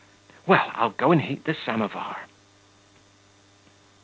Well, I'll go and heat the samovar.